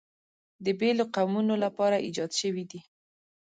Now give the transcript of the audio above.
د بېلو قومونو لپاره ایجاد شوي دي.